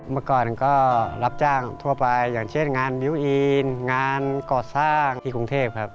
เมื่อก่อนก็รับจ้างทั่วไปอย่างเช่นงานมิวอีนงานก่อสร้างที่กรุงเทพครับ